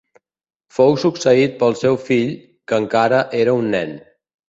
Fou succeït pel seu fill, que encara era un nen.